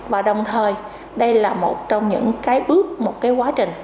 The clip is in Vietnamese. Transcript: và đồng thời đây là một trong những cái bước một cái quá trình